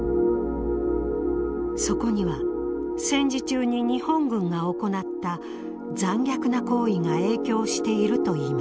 そこには戦時中に日本軍が行った残虐な行為が影響しているといいます。